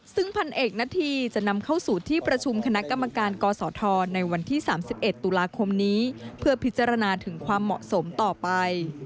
ซึ่งพันเอกณฑีจะนำเข้าสู่ที่ประชุมคณะกรรมการกศธในวันที่๓๑ตุลาคมนี้เพื่อพิจารณาถึงความเหมาะสมต่อไป